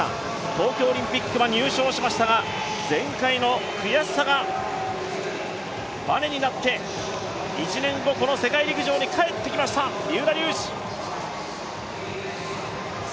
東京オリンピックは入賞しましたが、前回の悔しさがバネになって１年後、この世界陸上に帰ってきました、三浦龍司。